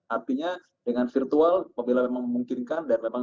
artinya dengan virtual apabila memang memungkinkan dan memang